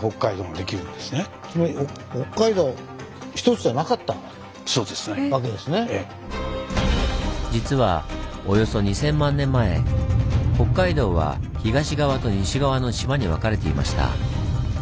つまりそうですね。え？実はおよそ２０００万年前北海道は東側と西側の島に分かれていました。